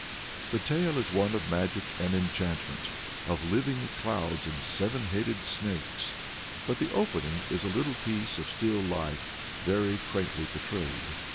" The tale is one of magic and enchantment, of living clouds and seven headed snakes; but the opening is a little piece of still life very quaintly portrayed.